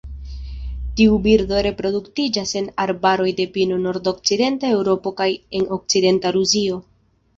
Tiu birdo reproduktiĝas en arbaroj de pino de nordokcidenta Eŭropo kaj en okcidenta Rusio.